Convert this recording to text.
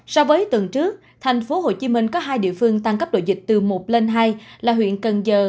so với tuần trước thành phố hồ chí minh có hai địa phương tăng cấp độ dịch từ một lên hai là huyện cần giờ